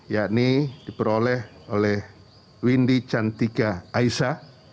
yakni diperoleh oleh windy cantika aisa